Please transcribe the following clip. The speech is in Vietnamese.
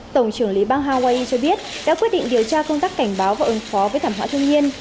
tổng trưởng lý bang hawaii cho biết đã quyết định điều tra công tác cảnh báo và ứng phó với thảm họa thiên nhiên